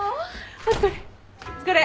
お疲れ。